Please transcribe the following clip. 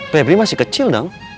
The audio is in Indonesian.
febri masih kecil dang